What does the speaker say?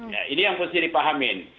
ya ini yang harus dipahami